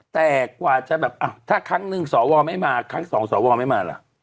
แต่กว่าจะแบบอ้าวถ้าครั้งนึงสวไม่มาครั้งสองสวไม่มาล่ะ